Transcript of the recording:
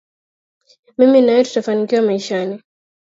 Mimi na wewe tutafanikiwa maishani.